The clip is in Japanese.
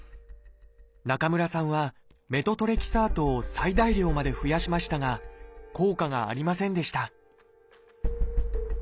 中村さんはメトトレキサートを最大量まで増やしましたが効果がありませんでした